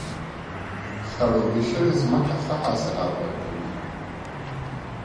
خړوبې شوې ځمکه ښه حاصلات ورکوي.